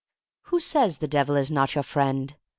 Who says the Devil is not your friend?